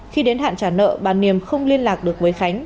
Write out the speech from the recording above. khi đến hạn trả nợ bà niềm không liên lạc được với khánh